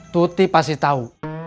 tuti pasti tahu